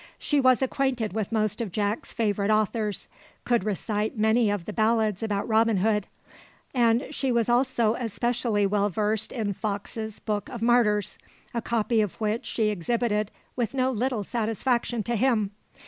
She was acquainted with most of Jack's favourite authors; could recite many of the ballads about Robin Hood; and she was also especially well versed in Foxe's "Book of Martyrs," a copy of which she exhibited with no little satisfaction to him.